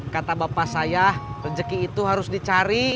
kata bapak saya rezeki itu harus dicari